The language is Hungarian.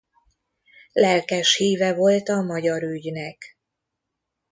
Lelkes híve volt a magyar ügynek.